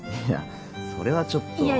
いやそれはちょっと。